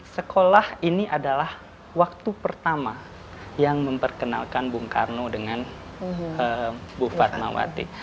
sekolah ini adalah waktu pertama yang memperkenalkan bung karno dengan bu fatmawati